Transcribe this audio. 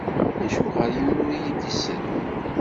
Acuɣer yiwen ur iyi-d-isell?